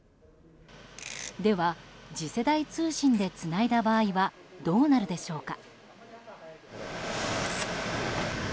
では次世代通信でつないだ場合はどうなるでしょうか。